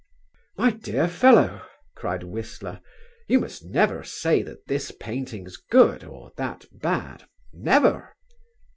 "My dear fellow," cried Whistler, "you must never say that this painting's good or that bad, never!